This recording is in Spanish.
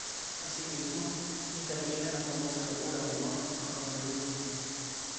Así mismo, interviene en la famosa "Locura de amor", de Juan de Orduña.